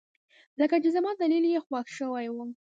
لکه چې زما دليل يې خوښ شوى و.